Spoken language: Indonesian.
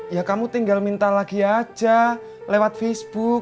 ya kamu tinggal minta lagi aja lewat facebook